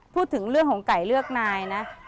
พูดถึงเรื่องของไก่เลือกนายนะ